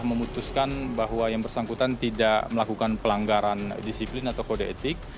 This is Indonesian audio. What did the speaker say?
memutuskan bahwa yang bersangkutan tidak melakukan pelanggaran disiplin atau kode etik